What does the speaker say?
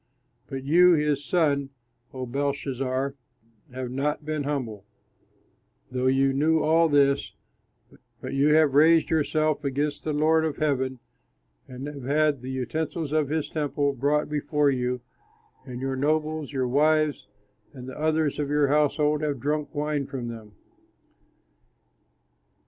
"But you, his son, O Belshazzar, have not been humble, though you knew all this, but you have raised yourself against the Lord of heaven, and have had the utensils of his temple brought before you, and you, your nobles, your wives, and the others of your household have drunk wine from them.